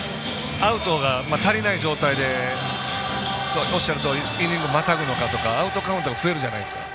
アウトが足りない状態でおっしゃるとおりイニングまたぐのかアウトカウント増えるじゃないですか。